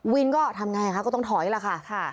วินก็ทำไงนะคะก็ต้องถอยแล้วค่ะ